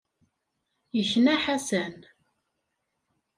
Yekna Ḥasan.